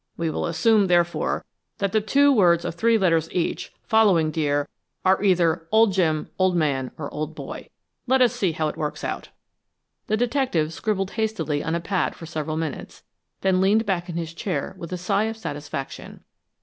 We will assume, therefore, that the two words of three letters each, following dear are either old Jim, old man, or old boy. Let us see how it works out." The detective scribbled hastily on a pad for several minutes, then leaned back in his chair, with a sigh of satisfaction.